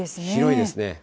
広いですね。